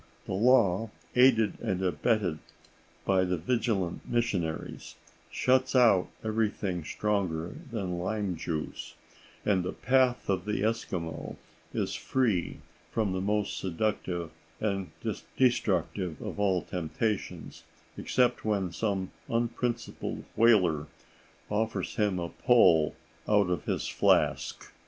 The law, aided and abetted by the vigilant missionaries, shuts out everything stronger than lime juice, and the path of the Eskimo is free from the most seductive and destructive of all temptations, except when some unprincipled whaler offers him a pull out of his flask.